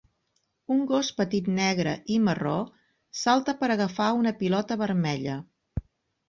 Un gos petit negre i marró salta per agafar una pilota vermella.